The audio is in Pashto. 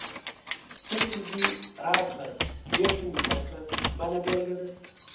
څه چې دې راکړل، بېرته مې درکړل بله بېلګه ده.